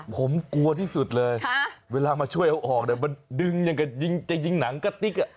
ผมกลัวที่สุดเลยเวลามาช่วยเอาออกเนี่ยมันดึงอย่างกับยิงจะยิงหนังกะติ๊ก